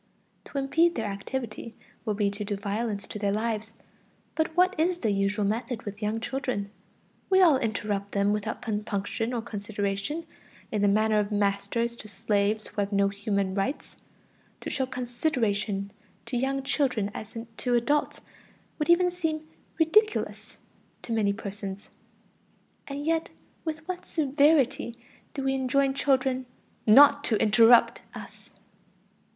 To impede their activity would be to do violence to their lives. But what is the usual method with young children? We all interrupt them without compunction or consideration, in the manner of masters to slaves who have no human rights. To show "consideration" to young children as to adults would even seem ridiculous to many persons. And yet with what severity do we enjoin children "not to interrupt" us!